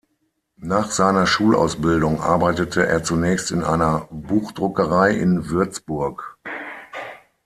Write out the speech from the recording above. Nach seiner Schulausbildung arbeitete er zunächst in einer Buchdruckerei in Würzburg.